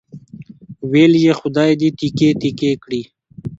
ویل یې خدای دې تیکې تیکې کړي.